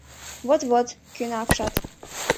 — Вот-вот, — кӧна апшат.